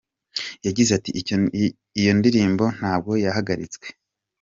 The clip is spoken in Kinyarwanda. Yagize ati “Iyo ndirimbo ntabwo yahagaritswe.